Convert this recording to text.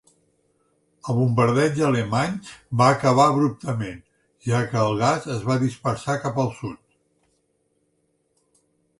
El bombardeig alemany va acabar abruptament, ja que el gas es va dispersar cap al sud.